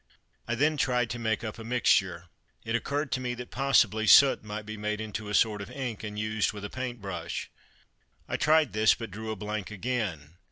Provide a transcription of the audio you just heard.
I then tried to make up a mixture. It occurred to me that possibly soot might be made into a sort of ink, and used with a paint brush. I tried this, but drew a blank again.